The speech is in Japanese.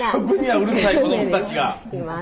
食にはうるさい子どもたちが。